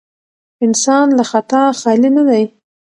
انسان له خطا خالي نه دی.